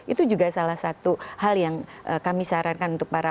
itu juga salah satu hal yang kami sarankan untuk para